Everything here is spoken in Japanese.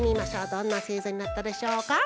どんなせいざになったでしょうか？